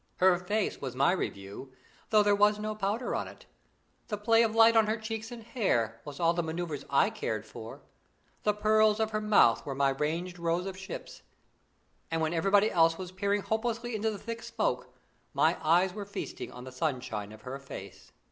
Her face was my Review, though there was no powder on it. The play of light on her cheeks and hair was all the manoeuvres I cared for the pearls of her mouth were my ranged rows of ships; and when everybody else was peering hopelessly into the thick smoke, my eyes were feasting on the sunshine of her face.